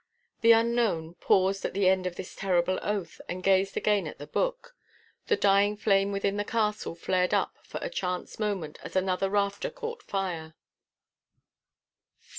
The unknown paused at the end of this terrible oath, and gazed again at the Book. The dying flame within the castle flared up for a chance moment as another rafter caught fire.